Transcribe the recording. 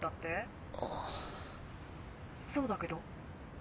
そうだけど何？